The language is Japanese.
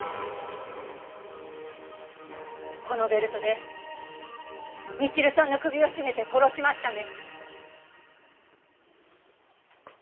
このベルトでみちるさんの首を絞めて殺しましたね？